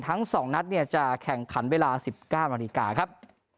ทั้ง๒นัดเนี่ยจะแข่งขันเวลา๑๙นาฬิกาครับ